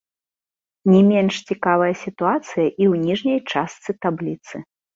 Не менш цікавая сітуацыя і ў ніжняй частцы табліцы.